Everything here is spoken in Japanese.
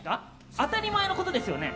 当たり前のことですよね。